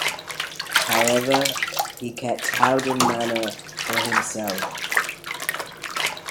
However, he kept Howden Manor for himself.